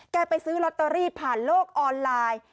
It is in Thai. ไปซื้อลอตเตอรี่ผ่านโลกออนไลน์